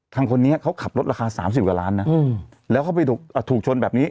ทางคนนี้เขาขับรถราคาสามสิบกว่าร้านน่ะอืมแล้วเขาไปถูกอ่าถูกชนแบบนี้